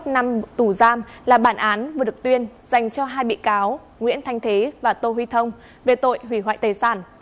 hai mươi năm năm tù giam là bản án vừa được tuyên dành cho hai bị cáo nguyễn thanh thế và tô huy thông về tội hủy hoại tài sản